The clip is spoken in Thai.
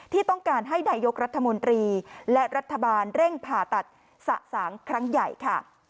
ที่ต้องการให้นายกรัฐมนตรีและรัฐบาลเร่งผ่าตัดสะสางครั้งใหญ่ค่ะ